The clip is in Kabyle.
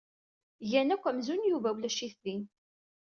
Gan akk amzun Yuba ulac-it din.